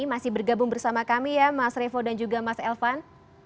masih bergabung bersama kami ya mas revo dan juga mas elvan